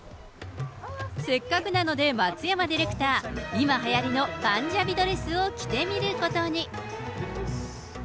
せっかくなので、松山ディレクター、今はやりのパンジャビドレスを着てみることに。